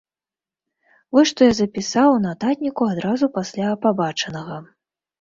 Вось што я запісаў у нататніку адразу пасля пабачанага.